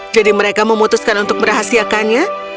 jadi mereka memutuskan untuk merahasiakannya